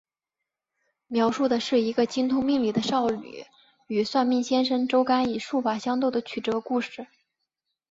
描述的是一个精通命理的少女与算命先生周干以术法相斗的曲折故事。